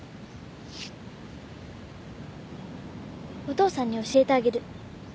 お父さんに教えてあげる